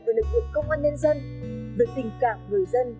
về lực lượng công an nhân dân về tình cảm người dân